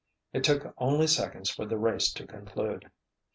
It took only seconds for the race to conclude.